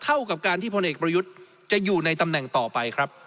เท่ากับการที่พลเอกประยุทธ์จะอยู่ในตำแหน่งต่อไปครับ